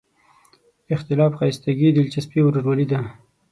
اختلاف ښایستګي، دلچسپي او ورورولي ده.